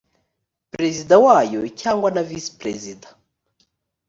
perezida wayo cyangwa na visi perezida